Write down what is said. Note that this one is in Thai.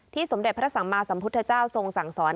สมเด็จพระสัมมาสัมพุทธเจ้าทรงสั่งสอน